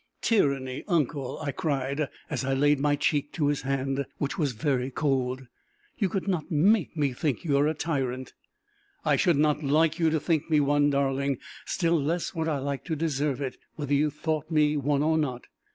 "Tyranny, uncle!" I cried, as I laid my cheek to his hand, which was very cold. "You could not make me think you a tyrant!" "I should not like you to think me one, darling! Still less would I like to deserve it, whether you thought me one or not!